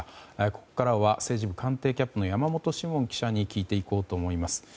ここからは政治部官邸キャップの山本志門記者に聞いていこうと思います。